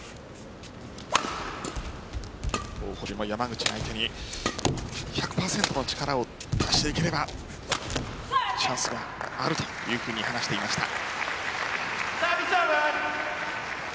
大堀も山口相手に１００％の力を出していければチャンスがあるというふうに話していました。